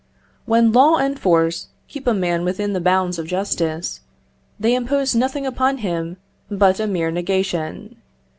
When law and force keep a man within the bounds of justice, they impose nothing upon him but a mere negation.